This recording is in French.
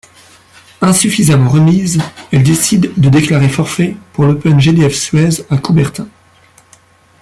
Insuffisamment remise, elle décide de déclarer forfait pour l'Open Gdf Suez à Coubertin.